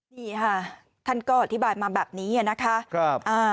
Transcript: นี่ค่ะท่านก็อธิบายมาแบบนี้นะคะ